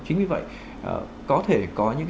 chính vì vậy có thể có những